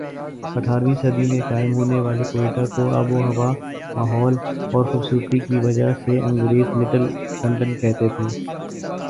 اٹھارہویں صدی میں قائم ہونے والے کوئٹہ کو آب و ہوا ماحول اور خوبصورتی کی وجہ سے انگریز لٹل لندن کہتے تھے